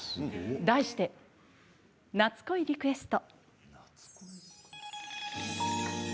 題して「夏恋リクエスト」。